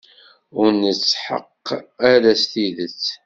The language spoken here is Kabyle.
Ur netḥeqq ara s tidet.